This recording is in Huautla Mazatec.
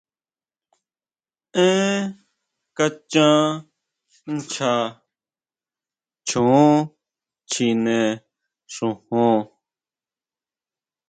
Énn kachan nchá choon chjine xojon.